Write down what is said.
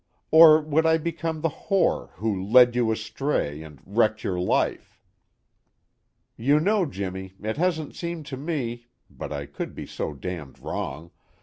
Or would I become the whore who 'led you astray' and 'wrecked your life'? "You know, Jimmy, it hasn't seemed to me (but I could be so damned wrong!)